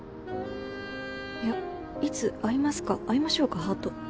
いやいつ会いますか会いましょうかハート。